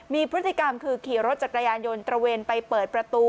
มีพฤติกรรมคือขี่รถจักรยานยนต์ตระเวนไปเปิดประตู